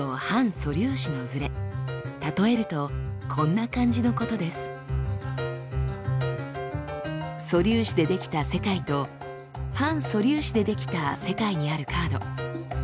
素粒子で出来た世界と反素粒子で出来た世界にあるカード。